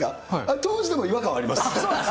当時でも違和感があります。